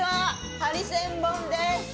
ハリセンボンです。